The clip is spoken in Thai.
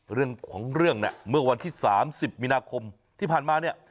เรื่องของเรื่องเนี่ยเมื่อวันที่๓๐มีนาคมที่ผ่านมาเนี่ย